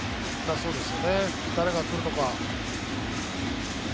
そうですよね、誰が来るのか。